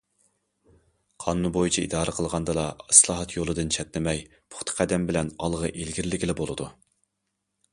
قانۇن بويىچە ئىدارە قىلغاندىلا، ئىسلاھات يولىدىن چەتنىمەي، پۇختا قەدەم بىلەن ئالغا ئىلگىرىلىگىلى بولىدۇ.